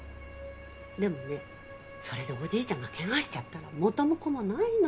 でもねそれでおじいちゃんがけがしちゃったら元も子もないの。